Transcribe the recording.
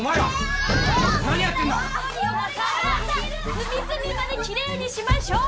隅々まできれいにしましょう！